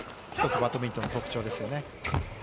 バドミントンの特徴ですよね。